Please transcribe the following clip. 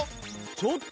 ちょっと。